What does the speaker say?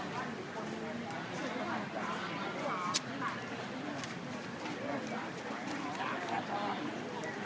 แล้วก็คนที่งานเลย